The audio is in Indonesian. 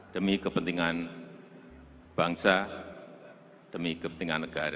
demi kepentingan bangsa demi kepentingan negara